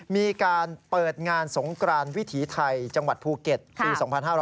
มีการเปิดงานสงกรานวิถีไทยจังหวัดภูเก็ตปี๒๕๕๙